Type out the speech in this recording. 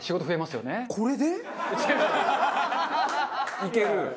いける？